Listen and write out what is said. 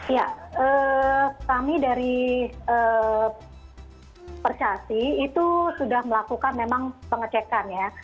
ya kami dari percasi itu sudah melakukan memang pengecekan ya